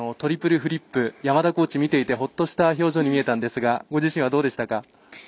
フリップ山田コーチ見ていてほっとした表情に見えたんですがご自身はどうでしたか？